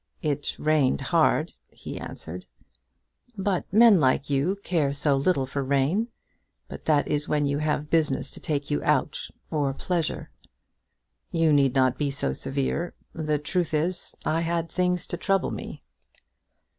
"It rained hard," he answered. "But men like you care so little for rain; but that is when you have business to take you out, or pleasure." "You need not be so severe. The truth is I had things to trouble me."